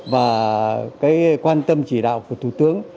và cái quan tâm chỉ đạo của thủ tướng